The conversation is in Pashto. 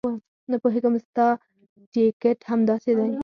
نه پوهېږم ستا ټیکټ همداسې دی.